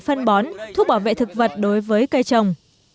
phân bón thuốc bảo vệ thực vật đối với cây trồng